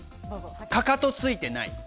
かかとついてない。